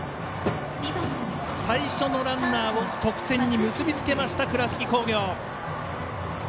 最初のランナーを得点に結び付けました倉敷工業。